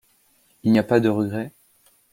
Il n’y a pas de regret ?